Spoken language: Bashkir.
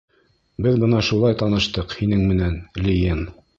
Беҙ бына шулай таныштыҡ һинең менән, Лиен!